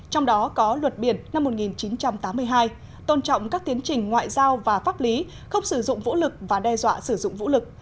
trong đó có luật biển năm một nghìn chín trăm tám mươi hai tôn trọng các tiến trình ngoại giao và pháp lý không sử dụng vũ lực và đe dọa sử dụng vũ lực